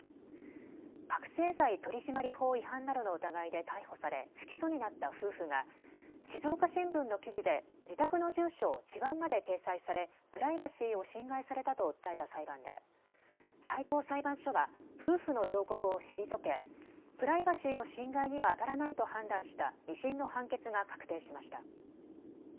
覚醒剤取締法違反などの疑いで逮捕され不起訴になった夫婦が静岡新聞の記事で自宅の住所を地番まで掲載されプライバシーを侵害されたと訴えた裁判で最高裁判所は夫婦の上告を退けプライバシーの侵害にはあたらないと判断した２審の判決が確定しました。